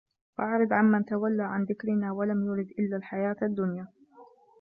فَأَعرِض عَن مَن تَوَلّى عَن ذِكرِنا وَلَم يُرِد إِلَّا الحَياةَ الدُّنيا